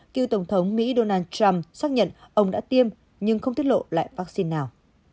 cựu tổng thống mỹ donald trump xác nhận ông đã tiêm nhưng không tiết lộ lại vaccine nào